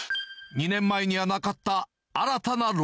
２年前にはなかった新たな漏